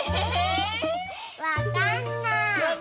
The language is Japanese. ⁉わかんない。